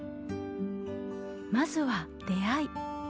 まずは出会い。